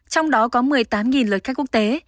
trong đó có một mươi tám lượt khách quốc tế